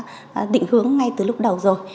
chúng tôi đã định hướng ngay từ lúc đầu rồi